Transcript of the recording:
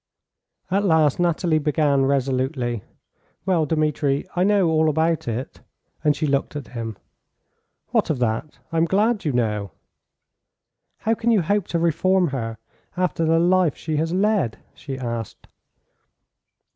At last Nathalie began resolutely. "Well, Dmitri, I know all about it." And she looked at him. "What of that? l am glad you know." "How can you hope to reform her after the life she has led?" she asked.